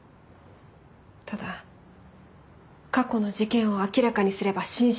ただ過去の事件を明らかにすれば心証は変わる。